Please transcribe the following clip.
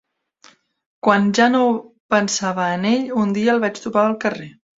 Quan ja no pensava en ell, un dia el vaig topar al carrer.